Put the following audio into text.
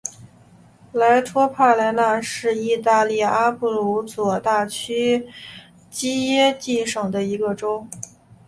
莱托帕莱纳是意大利阿布鲁佐大区基耶蒂省的一个镇。